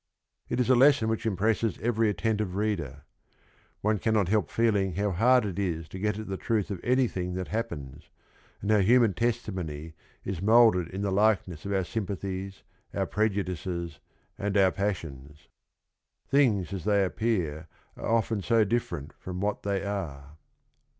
It is a lesson which impresses every attentive reader. One cannot help f eeling how hard it is to get at the truth of any thing that happens, and ho w human testi mony is mo ulded in the likeness of—Oar sym pathiesTouTprejudices, and our passions. Things as the^ appeal arc ufleii ao difforcn t from what they are.